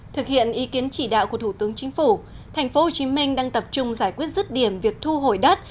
thực hiện ý kiến chỉ đạo của thủ tướng chính phủ tp hcm đang tập trung giải quyết rứt điểm việc thu hồi đất